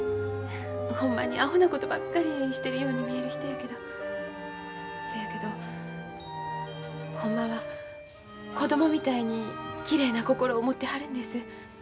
ほんまにアホなことばっかりしてるように見える人やけどそやけどほんまは子供みたいにきれいな心を持ってはるんです。